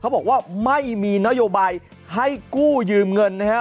บอกว่าไม่มีนโยบายให้กู้ยืมเงินนะฮะ